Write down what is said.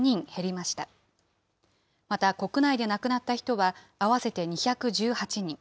また国内で亡くなった人は、合わせて２１８人。